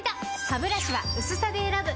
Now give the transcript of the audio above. ハブラシは薄さで選ぶ！